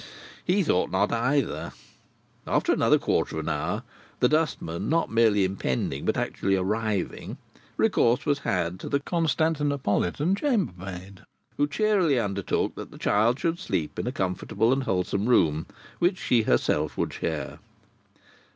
He thought not, either. After another quarter of an hour, the dustman not merely impending but actually arriving, recourse was had to the Constantinopolitan chambermaid: who cheerily undertook that the child should sleep in a comfortable and wholesome room, which she herself would share.